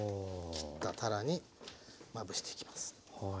切ったたらにまぶしていきます。